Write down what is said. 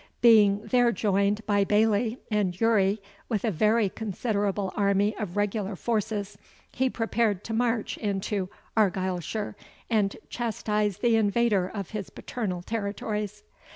Being there joined by Baillie and Urrie, with a very considerable army of regular forces, he prepared to march into Argyleshire, and chastise the invader of his paternal territories.